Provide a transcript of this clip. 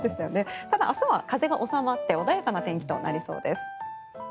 ただ、明日は風が収まって穏やかな天気となりそうです。